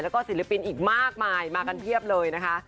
แล้วก็ศิลปินอีกมากมายมากันเพียบเลยนะคะ